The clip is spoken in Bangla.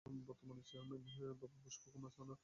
বর্তমান চেয়ারম্যান: বাবু পুষ্প কুমার কানু